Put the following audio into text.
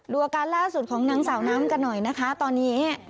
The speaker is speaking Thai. อาการล่าสุดของนางสาวน้ำกันหน่อยนะคะตอนนี้